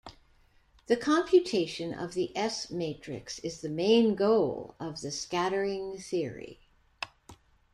The computation of the S-matrix is the main goal of the scattering theory.